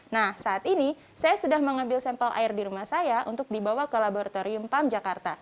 nah saat ini saya sudah mengambil sampel air di rumah saya untuk dibawa ke laboratorium pam jakarta